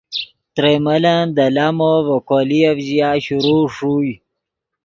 ترئے ملن دے لامو ڤے کولییف ژیا شروع ݰوئے۔